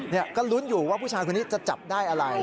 นี่ก็ลุ้นอยู่ว่าผู้ชายคนนี้จะจับได้อะไร